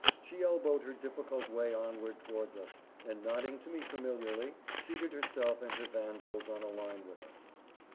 She elbowed her difficult way onward towards us, and nodding to me familiarly, seated herself and her Vandals on a line with us.